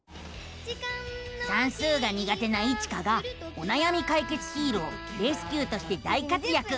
算数が苦手なイチカがおなやみかいけつヒーローレスキューとして大活やく！